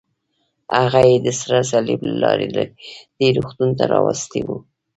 هغه یې د سره صلیب له لارې دې روغتون ته راوستی و.